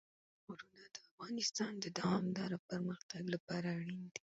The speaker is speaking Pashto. غرونه د افغانستان د دوامداره پرمختګ لپاره اړین دي.